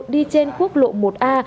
đi trên khuốc lộ một a